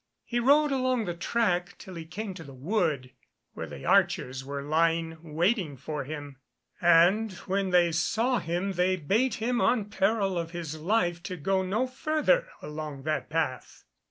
He rode along the track till he came to the wood, where the archers were lying waiting for him, and when they saw him, they bade him on peril of his life to go no further along that path.